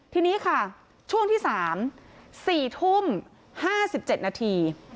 ทีนี้ค่ะช่วงที่๓๔ทุ่ม๕๗นาที